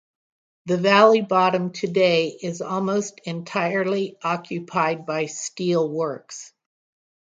The valley bottom today is almost entirely occupied by steel works.